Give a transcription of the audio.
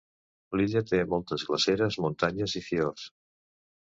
L'illa té moltes glaceres, muntanyes i fiords.